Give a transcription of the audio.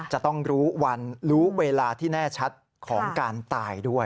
จะต้องรู้วันรู้เวลาที่แน่ชัดของการตายด้วย